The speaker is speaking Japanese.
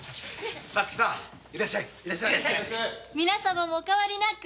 皆様もお変わりなく。